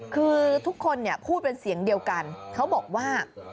คือทุกคนพูดเป็นเสียงเดียวกันเขาบอกว่า